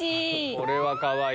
これはかわいい！